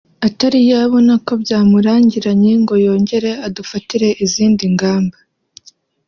atari yabona ko byamurangiranye ngo yongere adufatire izindi ngamba